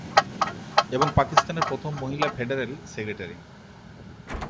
এবং পাকিস্তানের প্রথম মহিলা ফেডারেল সেক্রেটারি।